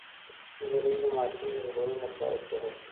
نجلۍ د ماشوم د ژغورنې لپاره چيغه کړه.